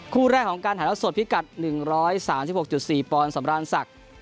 คู่แรกของการถ่ายทอดสดพิกัดหนึ่งร้อยสามสิบหกจุดสี่ปอนด์สำราญศักดิ์